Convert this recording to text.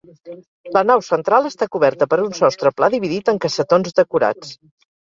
La nau central està coberta per un sostre pla dividit en cassetons decorats.